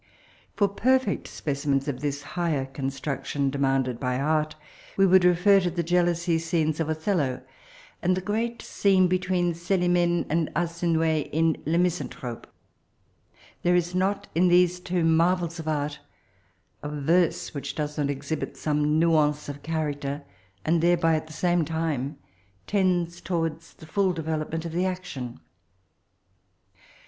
For perfect specimens of this higher oon« struction demanded by art, we would refer to the jealousy scenes of OUul" io, and the great scene between C^imdoe and Arsino^ in Le Misan thrope; there is not in these two marvels of art a verse which does not exhibit some nuance of charac ter, and thereby, at the same time, tends towards the full development of the action.